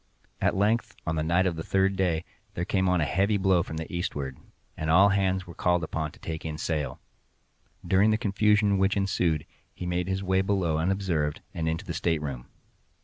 At length, on the night of the third day, there came on a heavy blow from the eastward, and all hands were called up to take in sail. During the confusion which ensued, he made his way below unobserved, and into the stateroom.